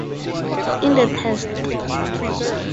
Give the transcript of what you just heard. In the Test.